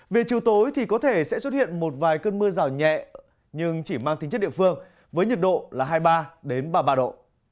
về chiều tối thì có thể sẽ xuất hiện một vài cơn mưa rào nhẹ nhưng chỉ mang tính chất địa phương với nhiệt độ là hai mươi ba ba mươi ba độ